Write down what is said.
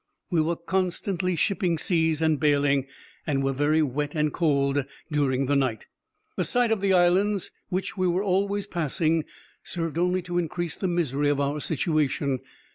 We were constantly shipping seas and bailing, and were very wet and cold during the night. The sight of the islands which we were always passing served only to increase the misery of our situation.